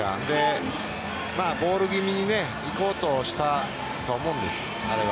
ボール気味に行こうとしたと思うんです、あれは。